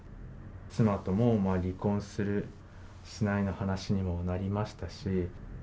妻とも離婚する、しないの話にもなりましたし。